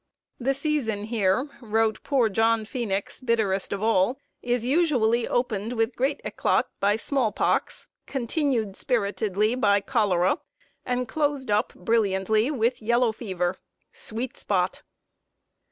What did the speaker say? "The season here," wrote poor John Phenix, bitterest of all, "is usually opened with great éclat by small pox, continued spiritedly by cholera, and closed up brilliantly with yellow fever. Sweet spot!"